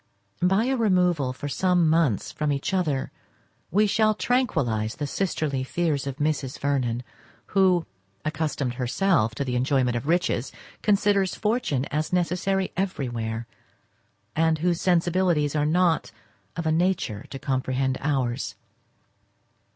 By a removal for some months from each other we shall tranquillise the sisterly fears of Mrs. Vernon, who, accustomed herself to the enjoyment of riches, considers fortune as necessary everywhere, and whose sensibilities are not of a nature to comprehend ours.